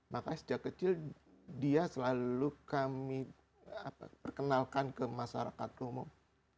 makanya sejak kecil dia selalu kami perkenalkan ke masyarakat umum